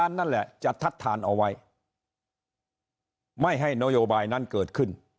นั่นแหละจะทัดทานเอาไว้ไม่ให้นโยบายนั้นเกิดขึ้น